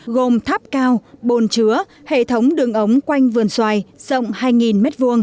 gồm tháp cao bồn chứa hệ thống đường ống quanh vườn xoài rộng hai m hai